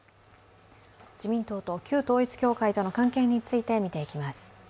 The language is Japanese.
自民党と旧統一教会との関係について見ていきます。